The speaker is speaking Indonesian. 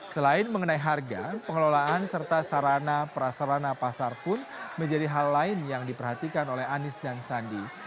selain mengenai harga pengelolaan serta sarana prasarana pasar pun menjadi hal lain yang diperhatikan oleh anies dan sandi